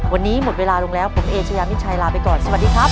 วันนี้หมดเวลาลงแล้วผมเอเชยามิชัยลาไปก่อนสวัสดีครับ